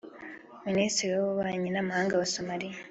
Minisitiri w’Ububanyi n’Amahanga wa Somaliya